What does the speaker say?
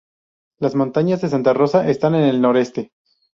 Las Montañas de Santa Rosa están en el noroeste.